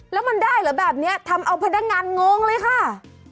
แล้วมันได้เหรอแบบนี้ทำเอาพนักงานงงเลยค่ะ